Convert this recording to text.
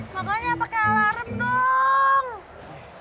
makanya pake alarm dong